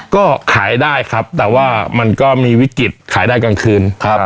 ก็ขายได้ครับแต่ว่ามันก็มีวิกฤตขายได้กลางคืนครับ